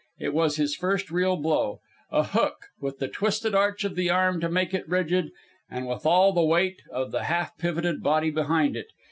It was his first real blow a hook, with the twisted arch of the arm to make it rigid, and with all the weight of the half pivoted body behind it.